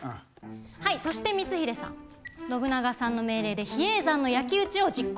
はいそして光秀さん信長さんの命令で比叡山の焼き打ちを実行。